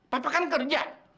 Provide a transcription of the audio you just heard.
papa kan kerja